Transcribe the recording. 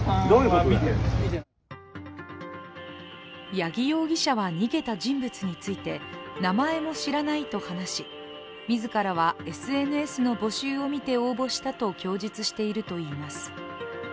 八木容疑者は逃げた人物について名前も知らないと話し、自らはＳＮＳの募集を見て応募したと供述しているといいます。